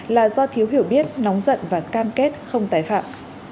là do thiếu hiểu biết nóng giận và cam kết không tái phạm